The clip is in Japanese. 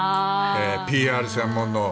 ＰＲ専門の。